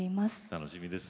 楽しみです。